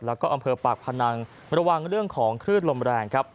และอำเภอปากพนังระหว่างเรื่องของคลื่นลมแรง